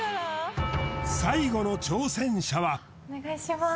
最後の挑戦者はお願いします